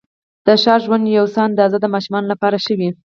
د ښار ژوند یوه څه اندازه د ماشومانو لپاره ښه وې.